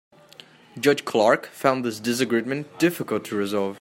Judge Clark found this disagreement difficult to resolve.